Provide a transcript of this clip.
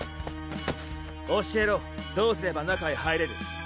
教えろどうすれば中へ入れる？